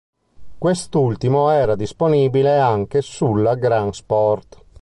Quest'ultimo era disponibile anche sulla Gran Sport.